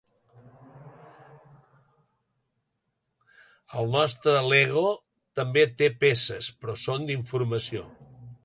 El nostre L'Ego també té peces, però són d'informació.